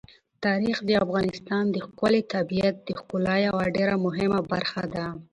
تاریخ د افغانستان د ښکلي طبیعت د ښکلا یوه ډېره مهمه برخه ده.